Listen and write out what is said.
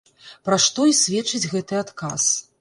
Пра што і сведчыць гэты адказ.